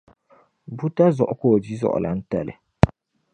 Buta zuɣu ka o di zuɣulaan'tali.